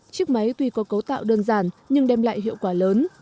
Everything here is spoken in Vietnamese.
chiếc máy tuy có cấu tạo đơn giản nhưng đem lại hiệu quả lớn